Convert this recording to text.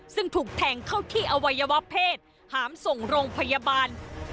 ซึ่งถูกแทงเข้าที่อวัยวะเพศหามส่งโรงพยาบาล